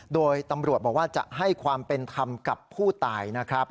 โดยตำรวจบอกว่าจะให้ความเป็นธรรมกับผู้ตายนะครับ